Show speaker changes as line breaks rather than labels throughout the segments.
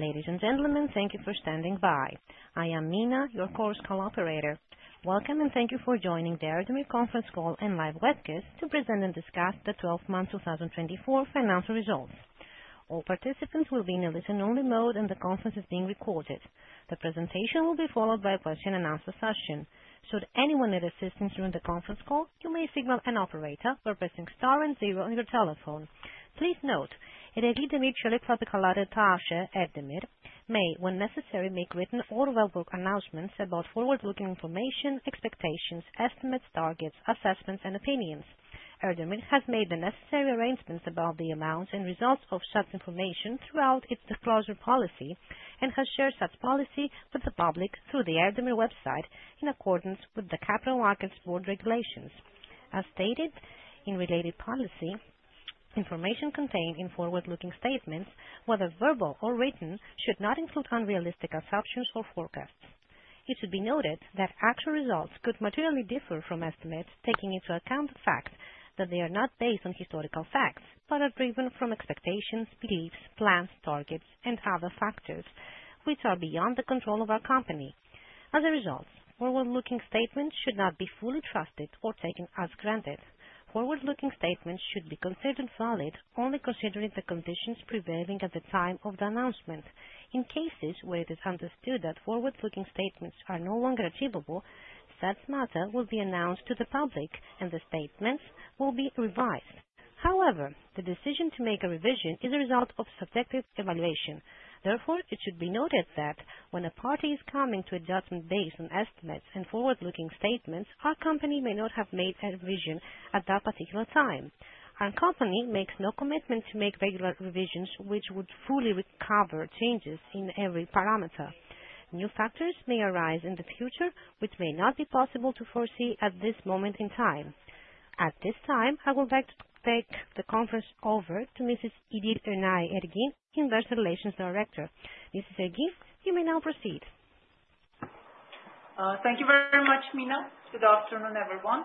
Ladies and gentlemen, thank you for standing by. I am Mina, your call coordinator. Welcome and thank you for joining the Ereğli Demir conference call and live webcast to present and discuss the 12th month 2024 financial results. All participants will be in a listen-only mode and the conference is being recorded. The presentation will be followed by a question-and-answer session. Should anyone need assistance during the conference call, you may signal an operator by pressing star and zero on your telephone. Please note, Ereğli Demir Çelik Fabrikaları T.A.Ş. ERDEMIR may, when necessary, make written or web-based announcements about forward-looking information, expectations, estimates, targets, assessments, and opinions. ERDEMIR has made the necessary arrangements about the amounts and results of such information throughout its disclosure policy and has shared such policy with the public through the ERDEMIR website in accordance with the Capital Markets Board regulations. As stated in related policy, information contained in forward-looking statements, whether verbal or written, should not include unrealistic assumptions or forecasts. It should be noted that actual results could materially differ from estimates, taking into account the fact that they are not based on historical facts but are driven from expectations, beliefs, plans, targets, and other factors which are beyond the control of our company. As a result, forward-looking statements should not be fully trusted or taken as granted. Forward-looking statements should be considered valid only considering the conditions prevailing at the time of the announcement. In cases where it is understood that forward-looking statements are no longer achievable, such matters will be announced to the public and the statements will be revised. However, the decision to make a revision is a result of subjective evaluation. Therefore, it should be noted that when a party is coming to adjustment based on estimates and forward-looking statements, our company may not have made a revision at that particular time. Our company makes no commitment to make regular revisions which would fully recover changes in every parameter. New factors may arise in the future which may not be possible to foresee at this moment in time. At this time, I would like to take the conference over to Mrs. İdil Önay Ergin, Investor Relations Director. Mrs. Ergin, you may now proceed.
Thank you very much, Mina. Good afternoon, everyone.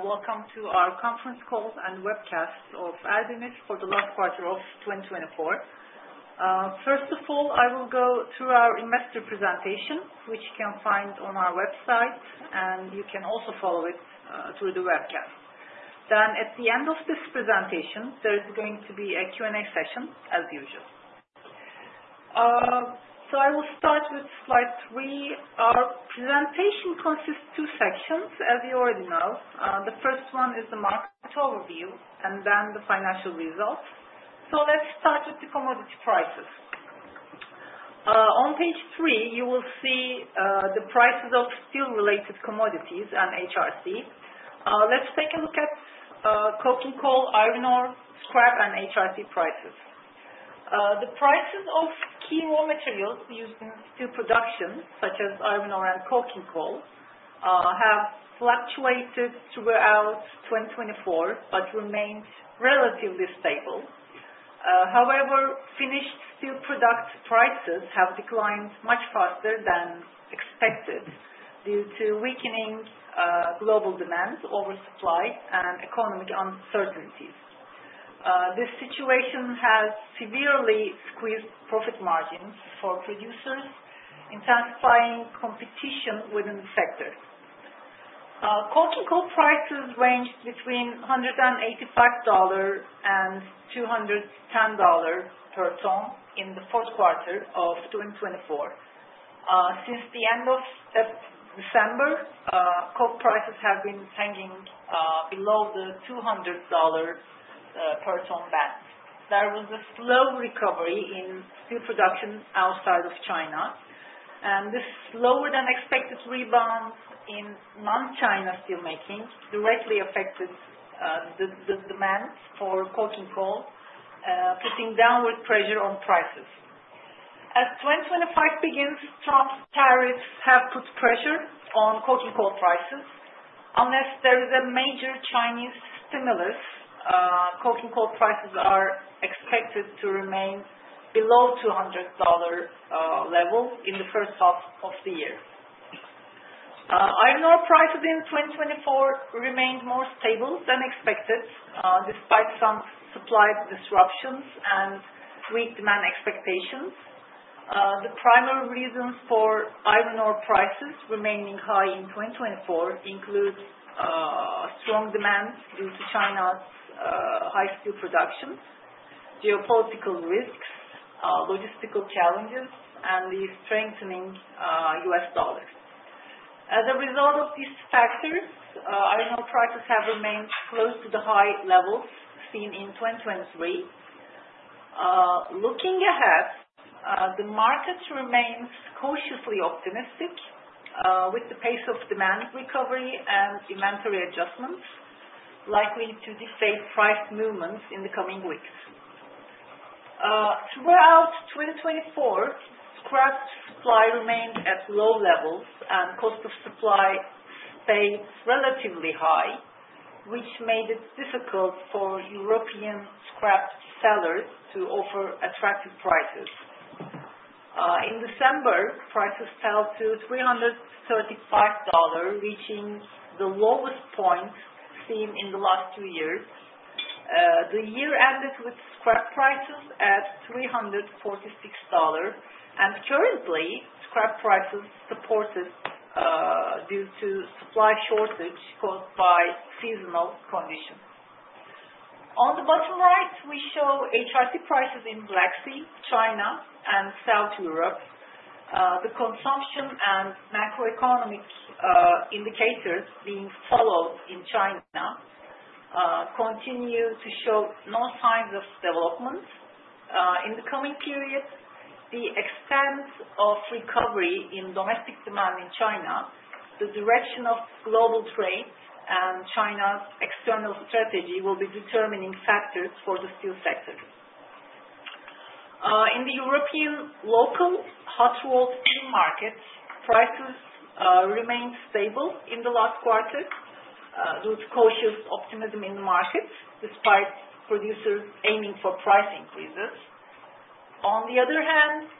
Welcome to our conference call and webcast of Erdemir for the last quarter of 2024. First of all, I will go through our investor presentation, which you can find on our website, and you can also follow it through the webcast. Then, at the end of this presentation, there is going to be a Q&A session, as usual. So I will start with slide three. Our presentation consists of two sections, as you already know. The first one is the market overview and then the financial results. So let's start with the commodity prices. On page three, you will see the prices of steel-related commodities and HRC. Let's take a look at coking coal, iron ore, scrap, and HRC prices. The prices of key raw materials used in steel production, such as iron ore and coking coal, have fluctuated throughout 2024 but remained relatively stable. However, finished steel product prices have declined much faster than expected due to weakening global demand, oversupply, and economic uncertainties. This situation has severely squeezed profit margins for producers, intensifying competition within the sector. Coking coal prices ranged between $185 and $210 per ton in the fourth quarter of 2024. Since the end of December, coal prices have been hanging below the $200 per ton band. There was a slow recovery in steel production outside of China, and this slower-than-expected rebound in non-China steelmaking directly affected the demand for coking coal, putting downward pressure on prices. As 2025 begins, Trump tariffs have put pressure on coking coal prices. Unless there is a major Chinese stimulus, coking coal prices are expected to remain below $200 level in the first half of the year. Iron ore prices in 2024 remained more stable than expected, despite some supply disruptions and weak demand expectations. The primary reasons for iron ore prices remaining high in 2024 include strong demand due to China's high steel production, geopolitical risks, logistical challenges, and the strengthening U.S. dollar. As a result of these factors, iron ore prices have remained close to the high levels seen in 2023. Looking ahead, the market remains cautiously optimistic with the pace of demand recovery and inventory adjustments likely to dictate price movements in the coming weeks. Throughout 2024, scrap supply remained at low levels and cost of supply stayed relatively high, which made it difficult for European scrap sellers to offer attractive prices. In December, prices fell to $335, reaching the lowest point seen in the last two years. The year ended with scrap prices at $346, and currently, scrap prices supported due to supply shortage caused by seasonal conditions. On the bottom right, we show HRC prices in Black Sea, China, and South Europe. The consumption and macroeconomic indicators being followed in China continue to show no signs of development. In the coming period, the extent of recovery in domestic demand in China, the direction of global trade, and China's external strategy will be determining factors for the steel sector. In the European local hot-rolled steel markets, prices remained stable in the last quarter due to cautious optimism in the market, despite producers aiming for price increases. On the other hand,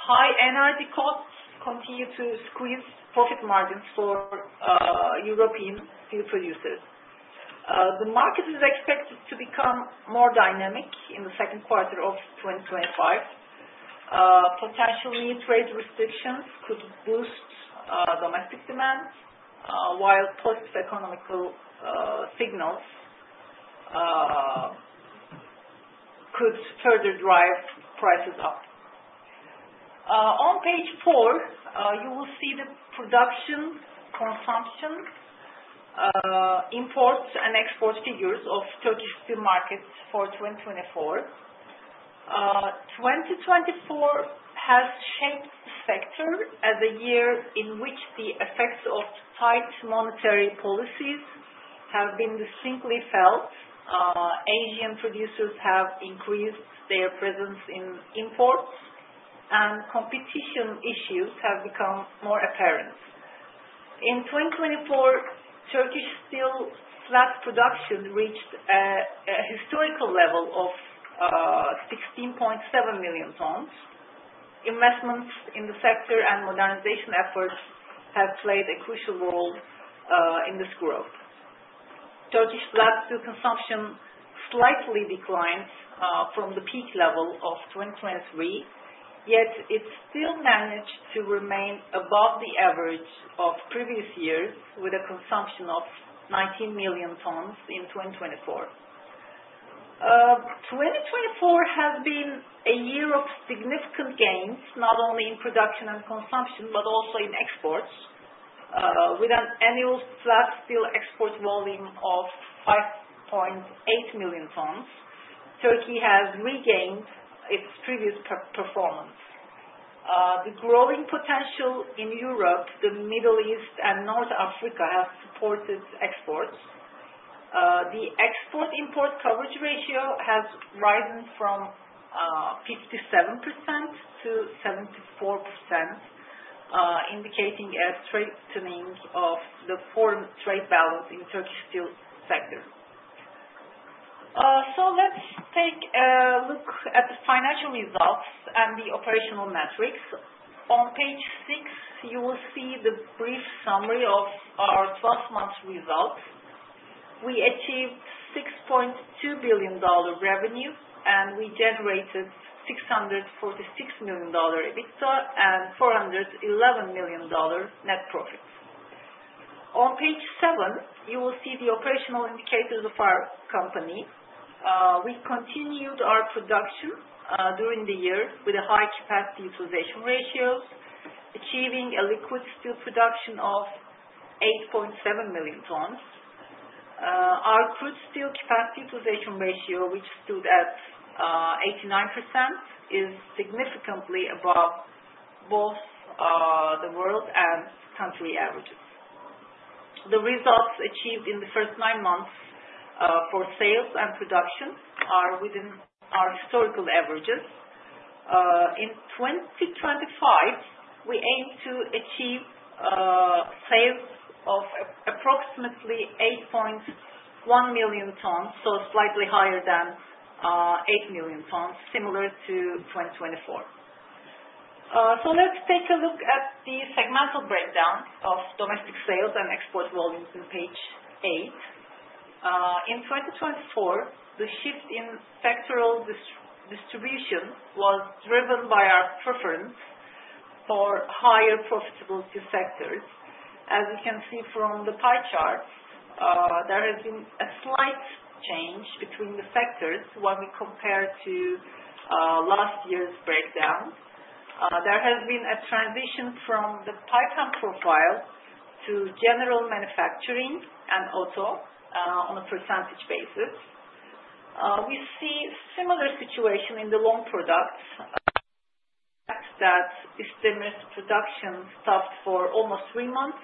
high energy costs continue to squeeze profit margins for European steel producers. The market is expected to become more dynamic in the second quarter of 2025. Potential new trade restrictions could boost domestic demand, while positive economic signals could further drive prices up. On page four, you will see the production, consumption, imports, and export figures of Turkish steel markets for 2024. 2024 has shaped the sector as a year in which the effects of tight monetary policies have been distinctly felt. Asian producers have increased their presence in imports, and competition issues have become more apparent. In 2024, Turkish steel slab production reached a historical level of 16.7 million tons. Investments in the sector and modernization efforts have played a crucial role in this growth. Turkish slab steel consumption slightly declined from the peak level of 2023, yet it still managed to remain above the average of previous years, with a consumption of 19 million tons in 2024. 2024 has been a year of significant gains, not only in production and consumption but also in exports. With an annual slab steel export volume of 5.8 million tons, Turkey has regained its previous performance. The growing potential in Europe, the Middle East, and North Africa has supported exports. The export-import coverage ratio has risen from 57%-74%, indicating a strengthening of the foreign trade balance in the Turkish steel sector, so let's take a look at the financial results and the operational metrics. On page six, you will see the brief summary of our 12th month results. We achieved $6.2 billion revenue, and we generated $646 million EBITDA and $411 million net profits. On page seven, you will see the operational indicators of our company. We continued our production during the year with high capacity utilization ratios, achieving a liquid steel production of 8.7 million tons. Our crude steel capacity utilization ratio, which stood at 89%, is significantly above both the world and country averages. The results achieved in the first nine months for sales and production are within our historical averages. In 2025, we aim to achieve sales of approximately 8.1 million tons, so slightly higher than 8 million tons, similar to 2024. So let's take a look at the segmental breakdown of domestic sales and export volumes in page eight. In 2024, the shift in sectoral distribution was driven by our preference for higher profitability sectors. As you can see from the pie charts, there has been a slight change between the sectors when we compare to last year's breakdown. There has been a transition from the pipe and profile to general manufacturing and auto on a percentage basis. We see a similar situation in the long products. That is, Erdemir's production stopped for almost three months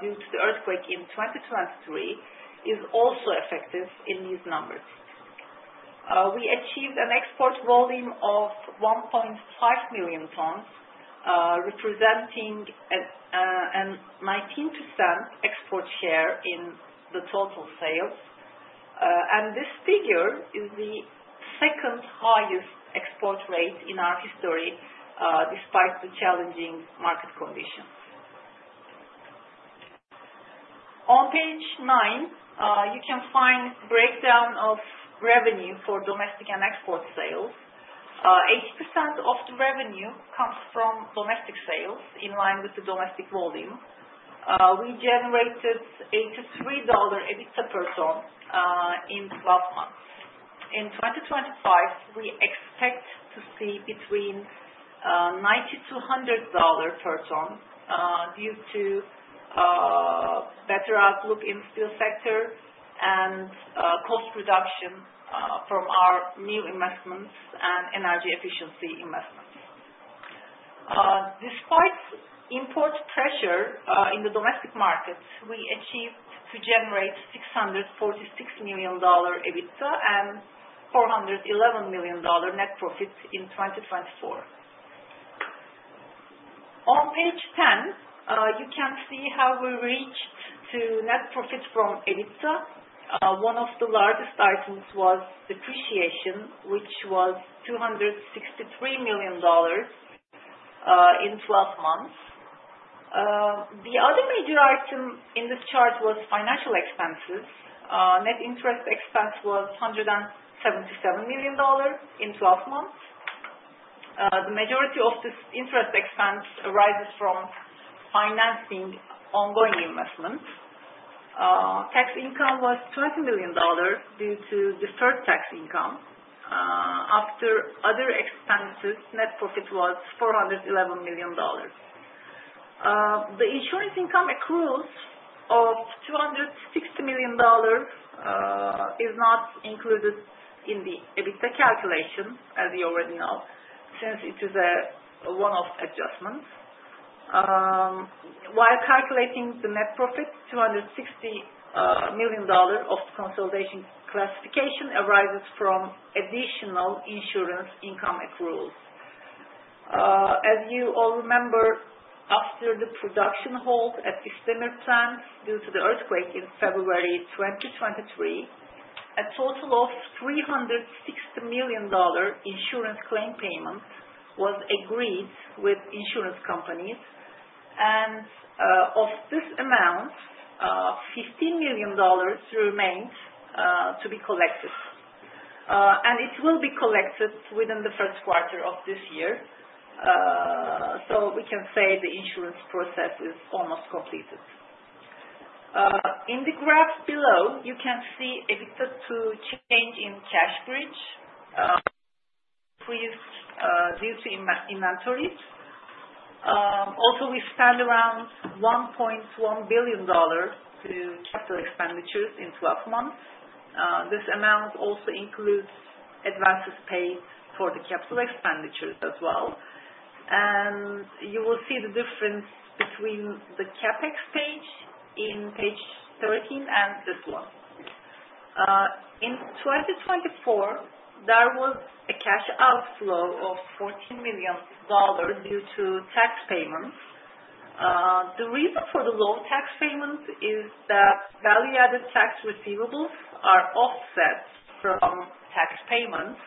due to the earthquake in 2023 is also effective in these numbers. We achieved an export volume of 1.5 million tons, representing a 19% export share in the total sales. And this figure is the second highest export rate in our history, despite the challenging market conditions. On page nine, you can find a breakdown of revenue for domestic and export sales. 80% of the revenue comes from domestic sales, in line with the domestic volume. We generated $83 EBITDA per ton in the 12th month. In 2025, we expect to see between $90-$100 per ton due to better outlook in the steel sector and cost reduction from our new investments and energy efficiency investments. Despite import pressure in the domestic market, we achieved to generate $646 million EBITDA and $411 million net profit in 2024. On page ten, you can see how we reached to net profit from EBITDA. One of the largest items was depreciation, which was $263 million in 12 months. The other major item in this chart was financial expenses. Net interest expense was $177 million in 12 months. The majority of this interest expense arises from financing ongoing investments. Tax income was $20 million due to deferred tax income. After other expenses, net profit was $411 million. The insurance income accrual of $260 million is not included in the EBITDA calculation, as you already know, since it is a one-off adjustment. While calculating the net profit, $260 million of the consolidation classification arises from additional insurance income accruals. As you all remember, after the production hold at İsdemir plant due to the earthquake in February 2023, a total of $360 million insurance claim payment was agreed with insurance companies. Of this amount, $15 million remained to be collected. It will be collected within the first quarter of this year. We can say the insurance process is almost completed. In the graph below, you can see EBITDA to change in cash bridge increased due to inventories. Also, we spent around $1.1 billion to capital expenditures in 12 months. This amount also includes advances paid for the capital expenditures as well. You will see the difference between the CapEx page on page 13 and this one. In 2024, there was a cash outflow of $14 million due to tax payments. The reason for the low tax payments is that value-added tax receivables are offset from tax payments,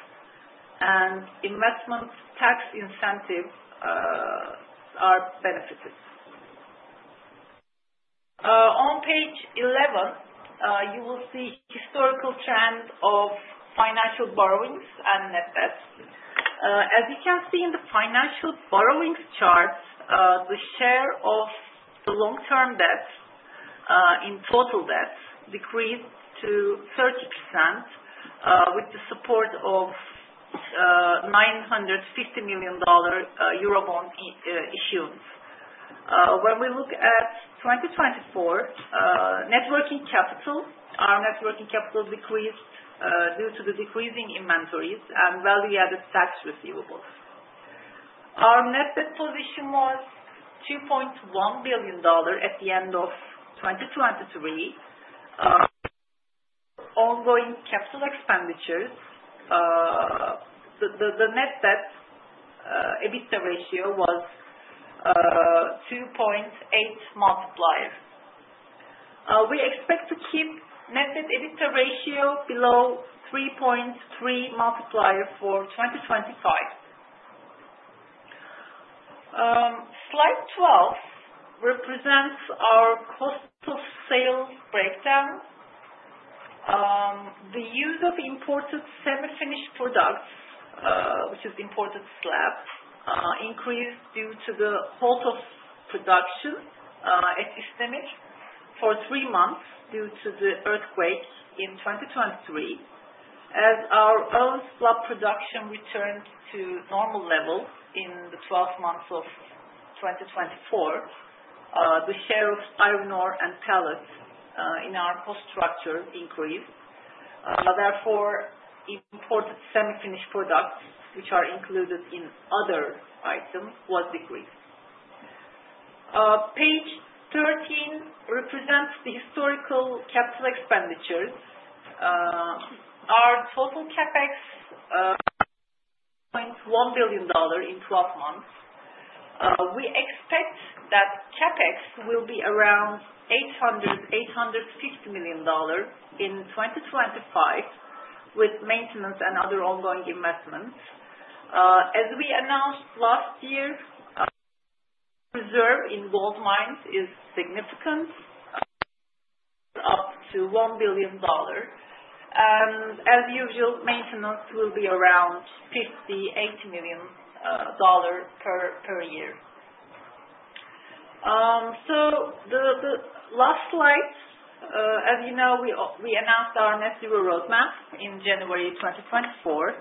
and investment tax incentives are benefited. On page 11, you will see a historical trend of financial borrowings and net debts. As you can see in the financial borrowings chart, the share of the long-term debts in total debts decreased to 30% with the support of $950 million Eurobond issuance. When we look at 2024, net working capital, our net working capital decreased due to the decreasing inventories and value-added tax receivables. Our net debt position was $2.1 billion at the end of 2023. Ongoing capital expenditures, the net debt EBITDA ratio was 2.8 multiplier. We expect to keep net debt EBITDA ratio below 3.3 multiplier for 2025. Slide 12 represents our cost of sales breakdown. The use of imported semi-finished products, which is imported slabs, increased due to the halt of production at İsdemir for three months due to the earthquake in 2023. As our own slab production returned to normal levels in the 12 months of 2024, the share of iron ore and pellets in our cost structure increased. Therefore, imported semi-finished products, which are included in other items, were decreased. Page 13 represents the historical capital expenditures. Our total CapEx is $1.1 billion in 12 months. We expect that CapEx will be around $800 million-$850 million in 2025, with maintenance and other ongoing investments. As we announced last year, reserve in gold mines is significant, up to $1 billion. And as usual, maintenance will be around $58 million per year. So the last slide, as you know, we announced our Net Zero Roadmap in January 2024.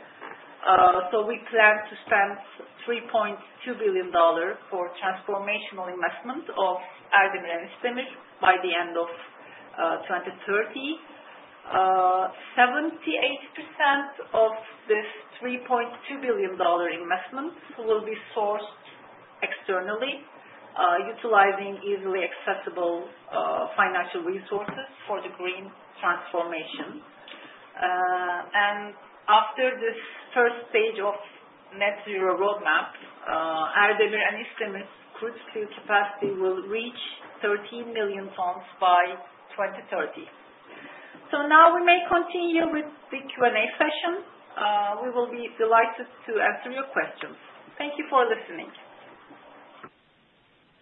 So we plan to spend $3.2 billion for transformational investment of Erdemir and İsdemir by the end of 2030. 78% of this $3.2 billion investment will be sourced externally, utilizing easily accessible financial resources for the green transformation. And after this first stage of Net Zero Roadmap, Erdemir and İsdemir's crude steel capacity will reach 13 million tons by 2030. So now we may continue with the Q&A session. We will be delighted to answer your questions. Thank you for listening.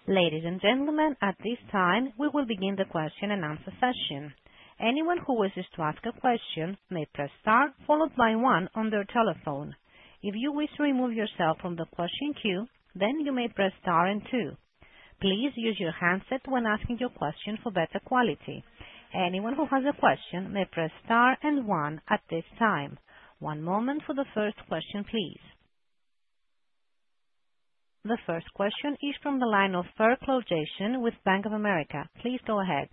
Ladies and gentlemen, at this time, we will begin the question and answer session. Anyone who wishes to ask a question may press star followed by one on their telephone. If you wish to remove yourself from the question queue, then you may press star and two. Please use your handset when asking your question for better quality. Anyone who has a question may press star and one at this time. One moment for the first question, please. The first question is from the line of Fairclough, Jason with Bank of America. Please go ahead.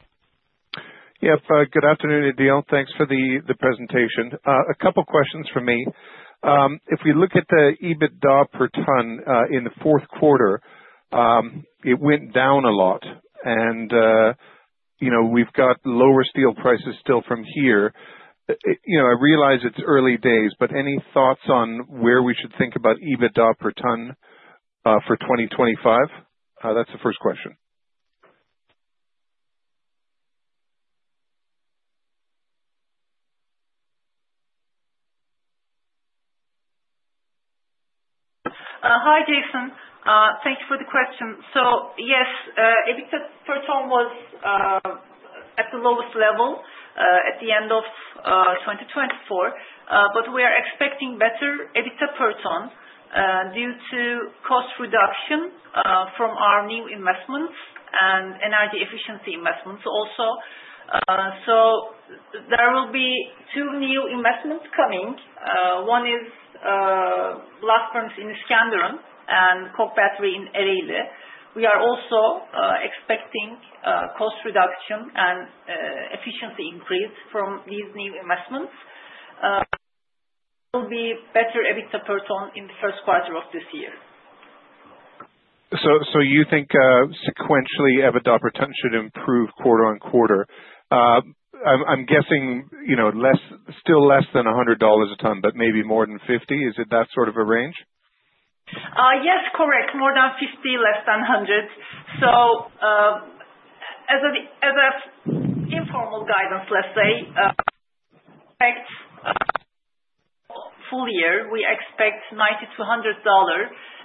Yep, good afternoon, İdil. Thanks for the presentation. A couple of questions for me. If we look at the EBITDA per ton in the fourth quarter, it went down a lot. We've got lower steel prices still from here. I realize it's early days, but any thoughts on where we should think about EBITDA per ton for 2025? That's the first question.
Hi, Jason. Thank you for the question. So yes, EBITDA per ton was at the lowest level at the end of 2024, but we are expecting better EBITDA per ton due to cost reduction from our new investments and energy efficiency investments also. So there will be two new investments coming. One is the blast furnace in Iskenderun and coke battery in Ereğli. We are also expecting cost reduction and efficiency increase from these new investments. There will be better EBITDA per ton in the first quarter of this year.
So you think sequentially EBITDA per ton should improve quarter on quarter. I'm guessing still less than $100 a ton, but maybe more than $50. Is it that sort of a range?
Yes, correct. More than 50, less than 100. So as an informal guidance, let's say, full year, we expect $90-$100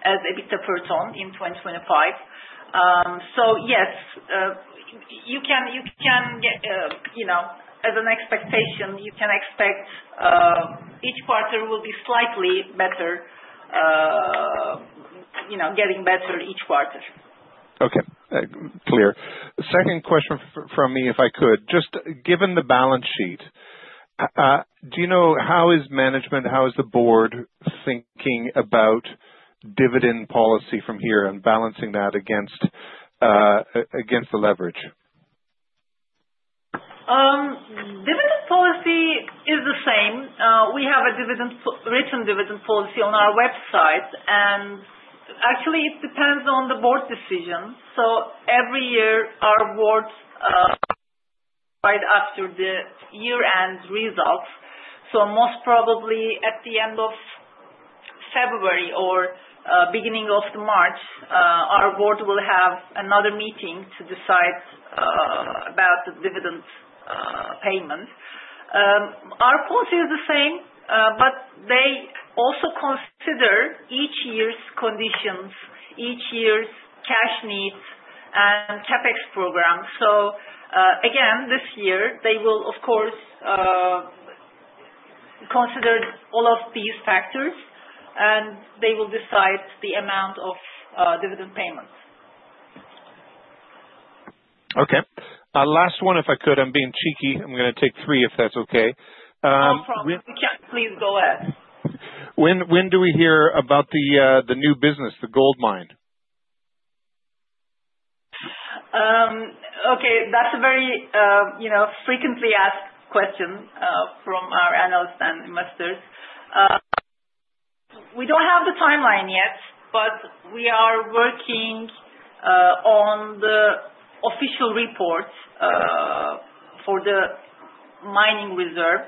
as EBITDA per ton in 2025. So yes, you can get as an expectation, you can expect each quarter will be slightly better, getting better each quarter.
Okay, clear. Second question from me, if I could. Just given the balance sheet, do you know how is management, how is the board thinking about dividend policy from here and balancing that against the leverage?
Dividend policy is the same. We have a written dividend policy on our website, and actually, it depends on the board decision. So every year, our board, right after the year-end results. So most probably at the end of February or beginning of March, our board will have another meeting to decide about the dividend payment. Our policy is the same, but they also consider each year's conditions, each year's cash needs, and CapEx program, so again, this year, they will, of course, consider all of these factors, and they will decide the amount of dividend payments.
Okay. Last one, if I could. I'm being cheeky. I'm going to take three if that's okay.
No problem. You can, please go ahead.
When do we hear about the new business, the gold mine?
Okay. That's a very frequently asked question from our analysts and investors. We don't have the timeline yet, but we are working on the official report for the mining reserve,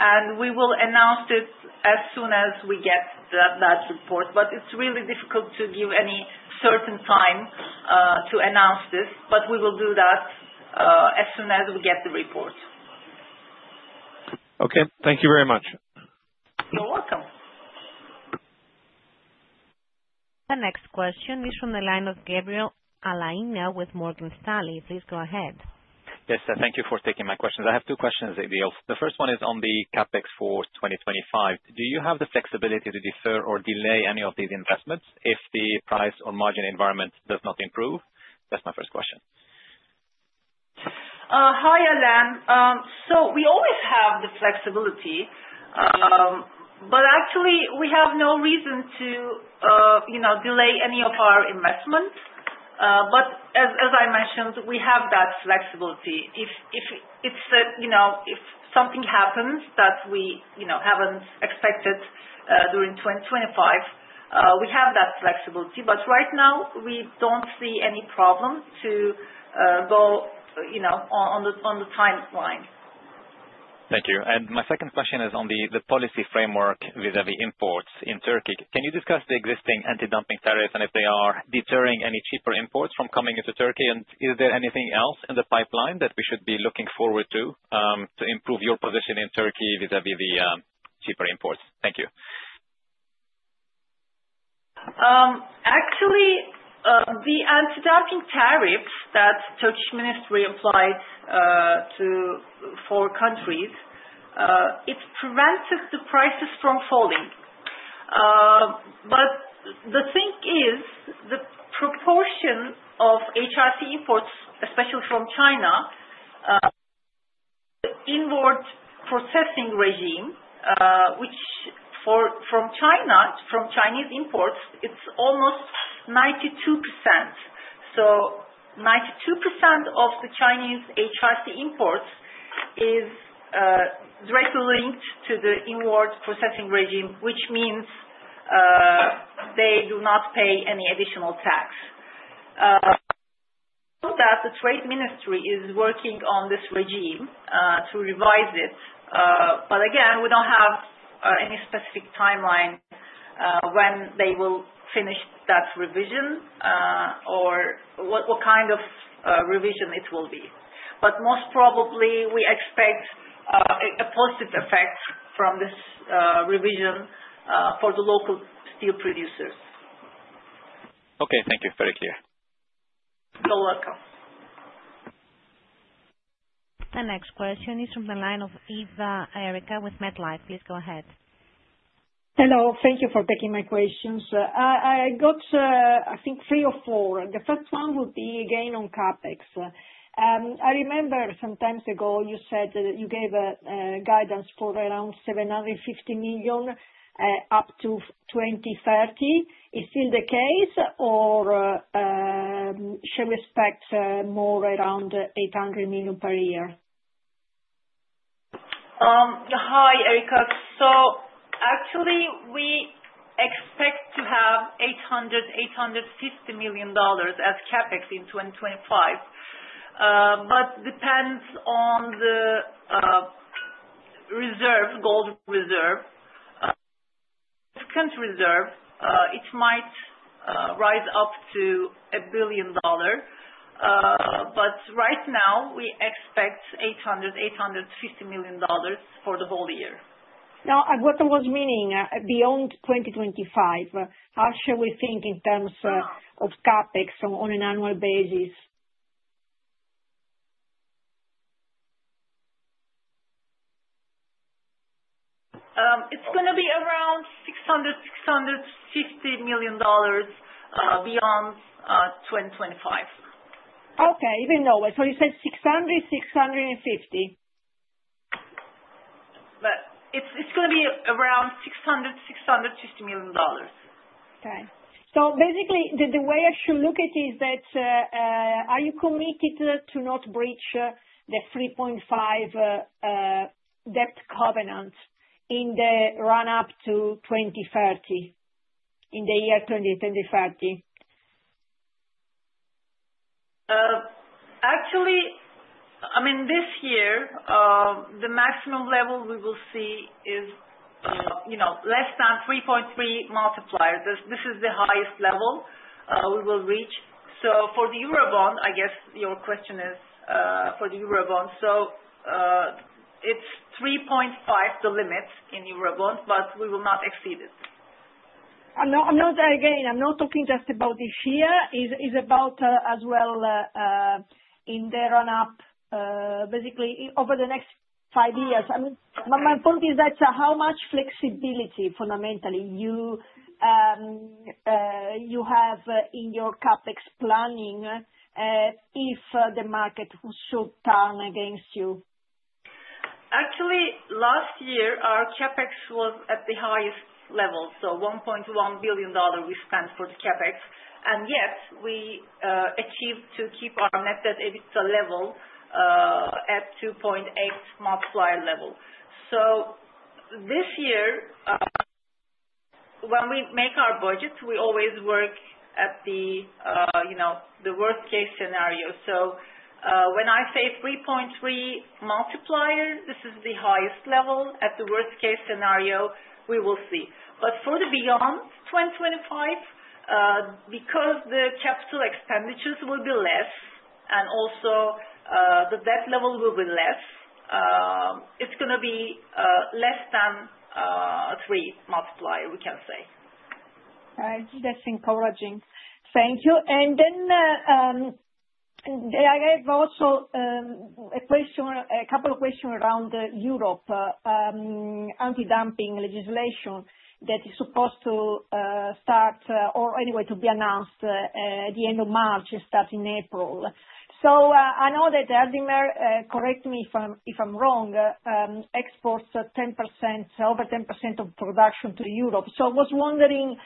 and we will announce this as soon as we get that report, but it's really difficult to give any certain time to announce this, but we will do that as soon as we get the report.
Okay. Thank you very much.
You're welcome.
The next question is from the line of Alain Gabriel with Morgan Stanley. Please go ahead.
Yes, thank you for taking my questions. I have two questions, İdil. The first one is on the CapEx for 2025. Do you have the flexibility to defer or delay any of these investments if the price or margin environment does not improve? That's my first question.
Hi, Alain. So we always have the flexibility, but actually, we have no reason to delay any of our investments. But as I mentioned, we have that flexibility. If something happens that we haven't expected during 2025, we have that flexibility. But right now, we don't see any problem to go on the timeline.
Thank you. And my second question is on the policy framework vis-à-vis imports in Turkey. Can you discuss the existing anti-dumping tariffs and if they are deterring any cheaper imports from coming into Turkey? And is there anything else in the pipeline that we should be looking forward to to improve your position in Turkey vis-à-vis the cheaper imports? Thank you.
Actually, the anti-dumping tariffs that the Turkish ministry applied to four countries, it prevented the prices from falling. But the thing is, the proportion of HRC imports, especially from China, the Inward Processing Regime, which from China, from Chinese imports, it's almost 92%. So 92% of the Chinese HRC imports is directly linked to the Inward Processing Regime, which means they do not pay any additional tax. So that the Trade Ministry is working on this regime to revise it. But again, we don't have any specific timeline when they will finish that revision or what kind of revision it will be. But most probably, we expect a positive effect from this revision for the local steel producers.
Okay. Thank you. Very clear.
You're welcome.
The next question is from the line of Erica Ipe with MetLife. Please go ahead.
Hello. Thank you for taking my questions. I got, I think, three or four. The first one would be again on CapEx. I remember some time ago, you said that you gave guidance for around $750 million up to 2030. Is it still the case, or shall we expect more around $800 million per year? Hi, Erica. So actually, we expect to have $800 million-$850 million as CapEx in 2025. But depends on the reserve, gold reserve, content reserve. It might rise up to $1 billion. But right now, we expect $800 million-$850 million for the whole year. Now, what I was meaning, beyond 2025, how shall we think in terms of CapEx on an annual basis? It's going to be around $600 million-$650 million beyond 2025. Okay. Even though, so you said $600-$650? It's going to be around $600 million-$650 million.
Okay. So basically, the way I should look at it is that are you committed to not breach the 3.5 debt covenant in the run-up to 2030, in the year 2030? Actually, I mean, this year, the maximum level we will see is less than 3.3 multipliers. This is the highest level we will reach. So for the Eurobond, I guess your question is for the Eurobond. So it's 3.5 the limit in Eurobond, but we will not exceed it.
No, I'm not saying again, I'm not talking just about this year. It's about as well in the run-up, basically, over the next five years. I mean, my point is that how much flexibility, fundamentally, you have in your CapEx planning if the market should turn against you?
Actually, last year, our CapEx was at the highest level, so $1.1 billion we spent for the CapEx, and yet we achieved to keep our net debt level at 2.8 multiplier level. This year, when we make our budget, we always work at the worst-case scenario, so when I say 3.3 multiplier, this is the highest level. At the worst-case scenario, we will see. But for the beyond 2025, because the capital expenditures will be less and also the debt level will be less, it's going to be less than 3 multiplier, we can say.
That's encouraging. Thank you. Then I have also a couple of questions around Europe anti-dumping legislation that is supposed to start or anyway to be announced at the end of March, starting April. I know that Erdemir, correct me if I'm wrong, exports 10%, over 10% of production to Europe. I was wondering,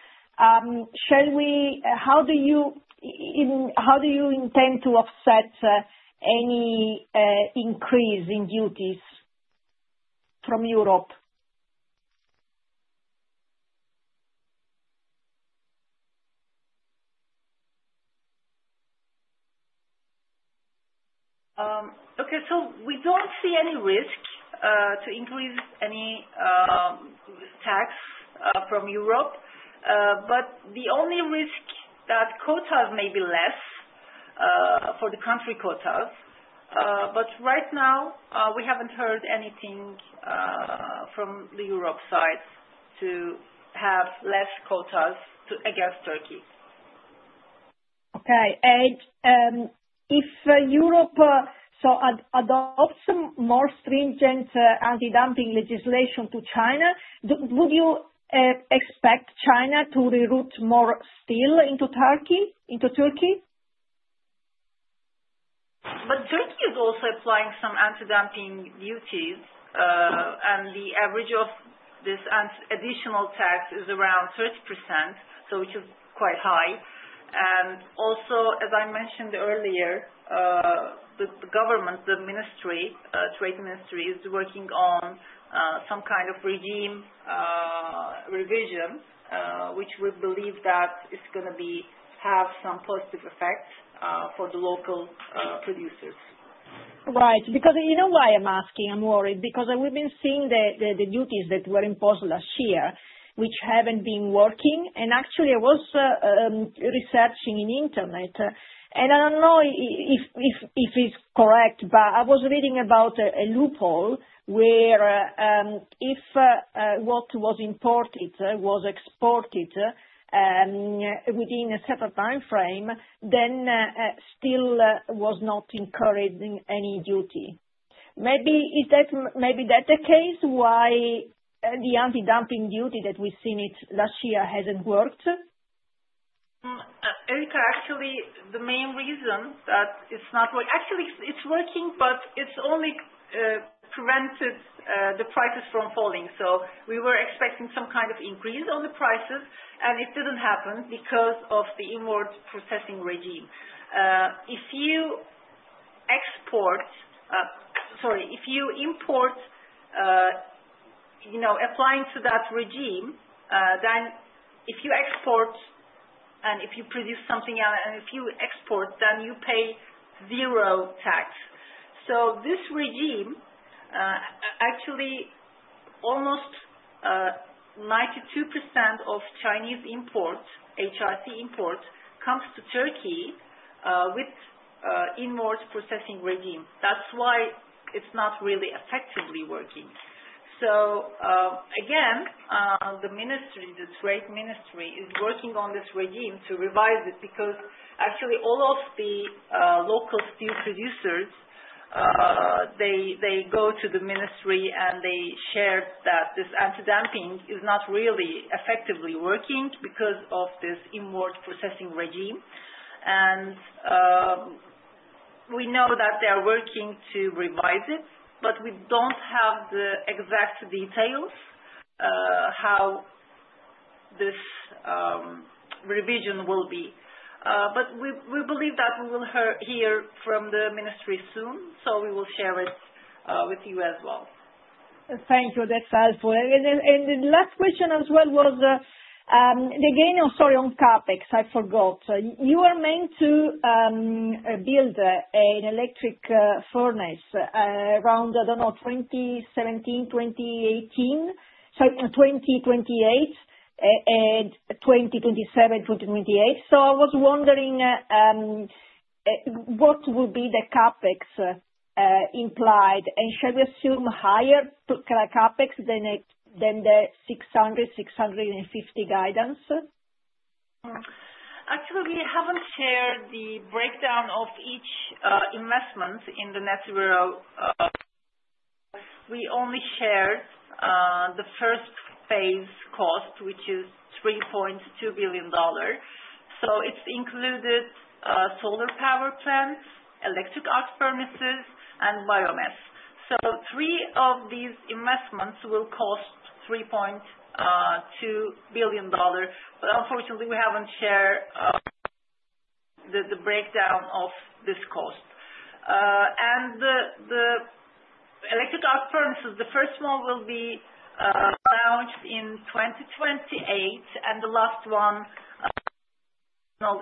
how do you intend to offset any increase in duties from Europe?
Okay. We don't see any risk to increase any tax from Europe. But the only risk that quotas may be less for the country quotas. But right now, we haven't heard anything from the Europe side to have less quotas against Turkey.
Okay. If Europe adopts some more stringent anti-dumping legislation to China, would you expect China to reroute more steel into Turkey?
But Turkey is also applying some anti-dumping duties, and the average of this additional tax is around 30%, which is quite high. And also, as I mentioned earlier, the government, the ministry, Trade Ministry, is working on some kind of regime revision, which we believe that is going to have some positive effect for the local producers.
Right. Because you know why I'm asking? I'm worried because we've been seeing the duties that were imposed last year, which haven't been working. And actually, I was researching on the internet, and I don't know if it's correct, but I was reading about a loophole where if what was imported was exported within a set time frame, then still was not incurring any duty. Maybe that's the case why the anti-dumping duty that we've seen last year hasn't worked?
Ipe, actually, the main reason that it's not actually. It's working, but it's only prevented the prices from falling. So we were expecting some kind of increase on the prices, and it didn't happen because of the Inward Processing Regime. If you export, sorry, if you import, applying to that regime, then if you export and if you produce something and if you export, then you pay zero tax. So this regime actually almost 92% of Chinese imports, HRC imports, comes to Turkey with Inward Processing Regime. That's why it's not really effectively working. So again, the ministry, the Trade Ministry, is working on this regime to revise it because actually, all of the local steel producers, they go to the ministry and they share that this anti-dumping is not really effectively working because of this Inward Processing Regime. We know that they are working to revise it, but we don't have the exact details how this revision will be. But we believe that we will hear from the ministry soon, so we will share it with you as well.
Thank you. That's helpful. And the last question as well was, again, sorry, on CapEx. I forgot. You were meant to build an electric furnace around, I don't know, 2017, 2018. Sorry, 2028 and 2027, 2028. So I was wondering what would be the CapEx implied and shall we assume higher CapEx than the 600-650 guidance?
Actually, we haven't shared the breakdown of each investment in the net zero. We only shared the first phase cost, which is $3.2 billion. So it's included solar power plants, electric arc furnaces, and biomass. So three of these investments will cost $3.2 billion. But unfortunately, we haven't shared the breakdown of this cost. And the electric arc furnaces, the first one will be launched in 2028, and the last one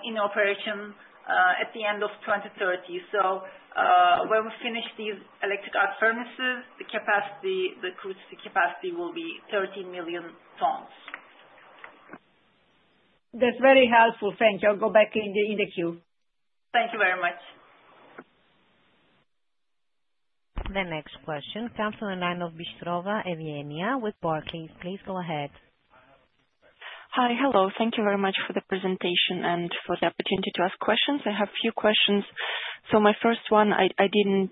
in operation at the end of 2030. So when we finish these electric arc furnaces, the capacity, the capacity will be 30 million tons.
That's very helpful. Thank you. I'll go back in the queue.
Thank you very much.
The next question comes from the line of Evgeniya Bystrova with Barclays. Please go ahead.
Hi. Hello. Thank you very much for the presentation and for the opportunity to ask questions. I have a few questions. So my first one, I didn't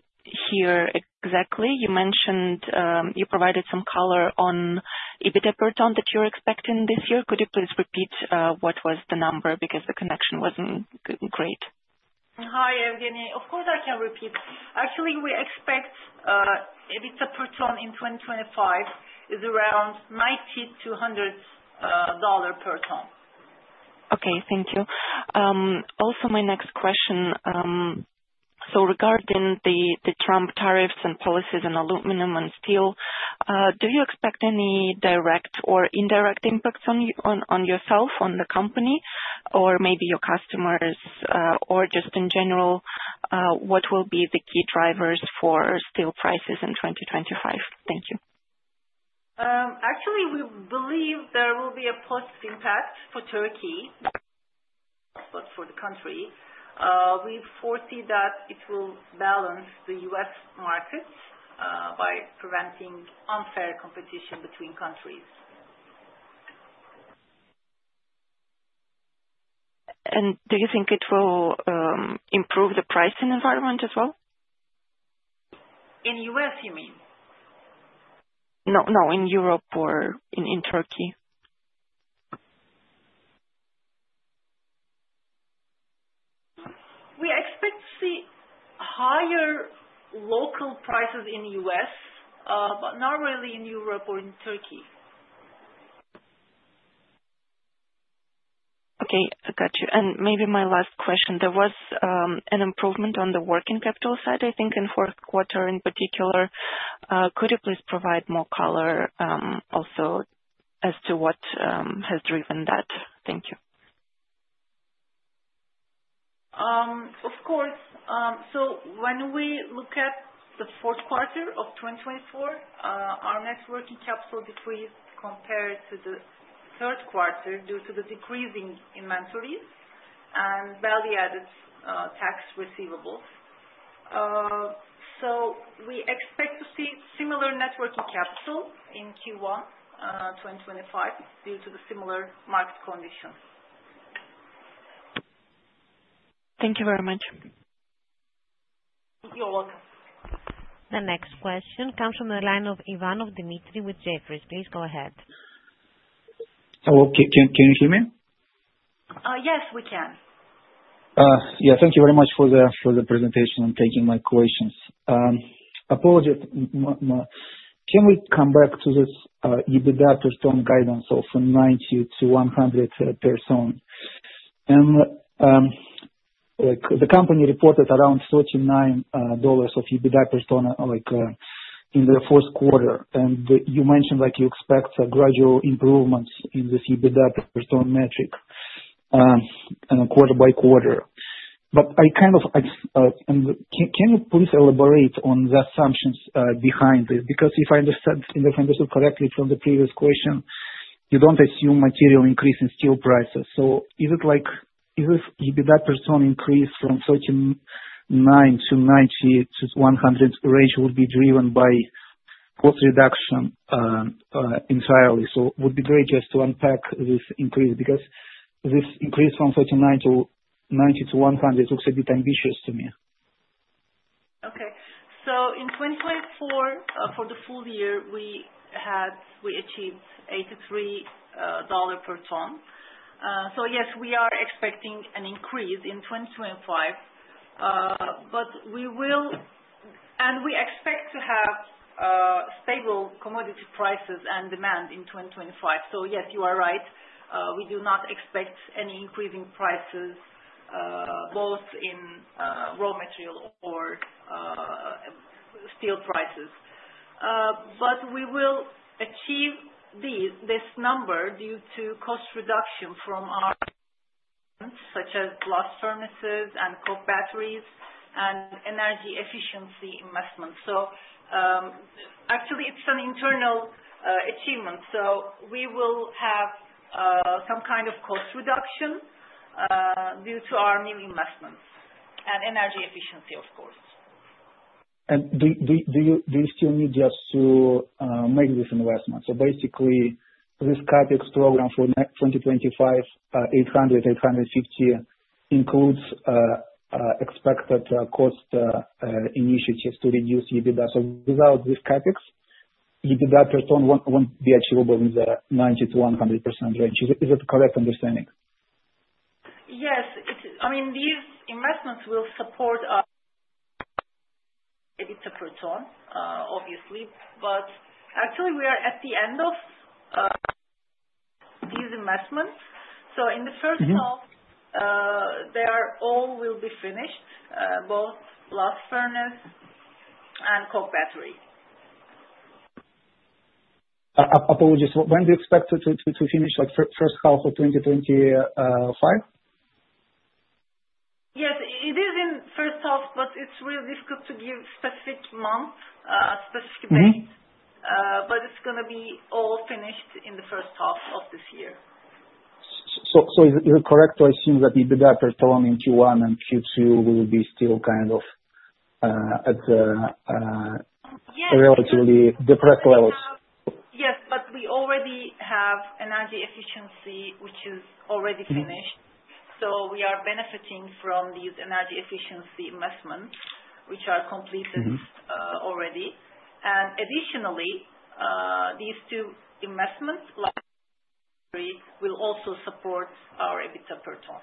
hear exactly. You mentioned you provided some color on EBITDA per ton that you're expecting this year. Could you please repeat what was the number because the connection wasn't great?
Hi, Evgenia. Of course, I can repeat. Actually, we expect EBITDA per ton in 2025 is around $90-$100 per ton.
Okay. Thank you. Also, my next question, so regarding the Trump tariffs and policies on aluminum and steel, do you expect any direct or indirect impacts on yourself, on the company, or maybe your customers, or just in general, what will be the key drivers for steel prices in 2025? Thank you.
Actually, we believe there will be a positive impact for Turkey, but for the country. We foresee that it will balance the U.S. market by preventing unfair competition between countries.
And do you think it will improve the pricing environment as well?
In U.S., you mean?
No, no. In Europe or in Turkey.
We expect to see higher local prices in the U.S., but not really in Europe or in Turkey.
Okay. I got you. And maybe my last question. There was an improvement on the working capital side, I think, in fourth quarter in particular. Could you please provide more color also as to what has driven that? Thank you.
Of course. So when we look at the fourth quarter of 2024, our net working capital decreased compared to the third quarter due to the decreasing inventories and value-added tax receivables. So we expect to see similar net working capital in Q1 2025 due to the similar market conditions.
Thank you very much.
You're welcome.
The next question comes from the line of Dmitry Ivanov with Jefferies. Please go ahead.
Hello. Can you hear me?
Yes, we can.
Yeah. Thank you very much for the presentation and taking my questions. Apologies. Can we come back to this EBITDA per ton guidance of 90-100 per ton? And the company reported around $39 of EBITDA per ton in the fourth quarter. You mentioned you expect a gradual improvement in this EBITDA per ton metric quarter by quarter. I kind of can you please elaborate on the assumptions behind this? Because if I understood correctly from the previous question, you don't assume material increase in steel prices. Is it like is this EBITDA per ton increase from 39 to 90 to 100 range would be driven by cost reduction entirely? It would be great just to unpack this increase because this increase from 39 to 90 to 100 looks a bit ambitious to me.
Okay. In 2024, for the full year, we achieved $83 per ton. Yes, we are expecting an increase in 2025, but we will and we expect to have stable commodity prices and demand in 2025. Yes, you are right. We do not expect any increasing prices both in raw material or steel prices. But we will achieve this number due to cost reduction from our investments such as blast furnaces and coke batteries and energy efficiency investments. So actually, it's an internal achievement. So we will have some kind of cost reduction due to our new investments and energy efficiency, of course.
And do you still need us to make this investment? So basically, this CapEx program for 2025, 800-850 includes expected cost initiatives to reduce EBITDA. So without this CapEx, EBITDA per ton won't be achievable in the 90%-100% range. Is that a correct understanding?
Yes. I mean, these investments will support EBITDA per ton, obviously. But actually, we are at the end of these investments. So in the first half, they all will be finished, both blast furnace and coke battery.
Apologies. When do you expect to finish, like first half of 2025?
Yes. It is in the first half, but it's really difficult to give specific month, specific date. But it's going to be all finished in the first half of this year.
So is it correct to assume that EBITDA per ton in Q1 and Q2 will be still kind of at relatively depressed levels?
Yes. But we already have energy efficiency, which is already finished. So we are benefiting from these energy efficiency investments, which are completed already. And additionally, these two investments will also support our EBITDA per ton.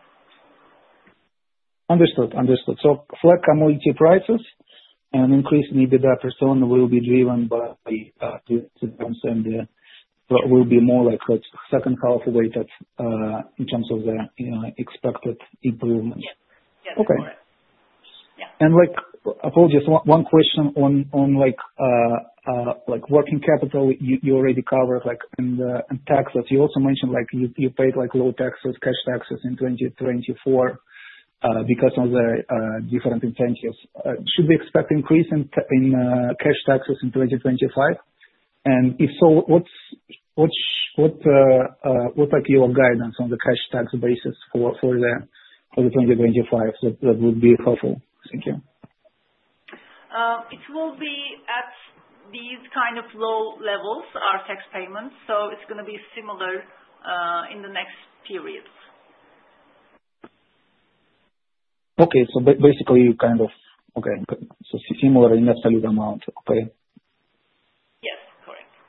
Understood. Understood. So flat commodity prices and increased EBITDA per ton will be driven by the will be more like second half weighted in terms of the expected improvement.
Yes. Yes. Correct. Yeah.
And apologies, one question on working capital. You already covered in taxes. You also mentioned you paid low taxes, cash taxes in 2024 because of the different incentives. Should we expect increase in cash taxes in 2025? And if so, what's your guidance on the cash tax basis for the 2025 that would be helpful? Thank you.
It will be at these kind of low levels, our tax payments. So it's going to be similar in the next periods.
Okay. So basically, you kind of okay. So similar in absolute amount. Okay.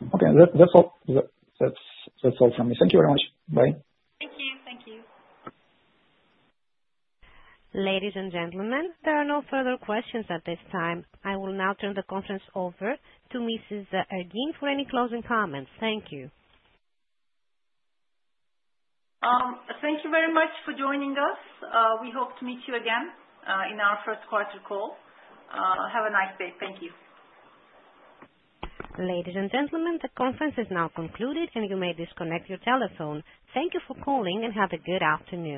Yes. Correct.
Okay. That's all from me. Thank you very much. Bye.
Thank you. Thank you.
Ladies and gentlemen, there are no further questions at this time. I will now turn the conference over to Mrs. Ergin for any closing comments. Thank you.
Thank you very much for joining us. We hope to meet you again in our first quarter call. Have a nice day. Thank you.
Ladies and gentlemen, the conference is now concluded, and you may disconnect your telephone. Thank you for calling and have a good afternoon.